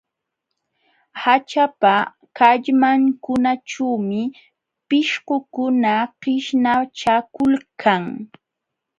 Haćhapa kallmankunaćhuumi pishqukuna qishnachakulkan.